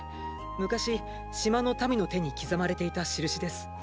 昔島の民の手に刻まれていた印です。